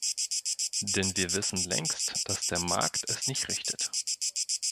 Denn wir wissen längst, dass der Markt es nicht richtet.